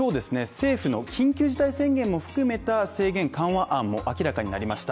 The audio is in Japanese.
政府の緊急事態宣言も含めた制限緩和案も明らかになりました。